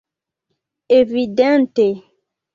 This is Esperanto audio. evidente